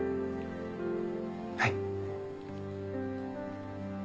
はい。